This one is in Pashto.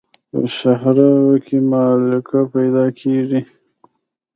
په صحراوو کې مالګه پیدا کېږي.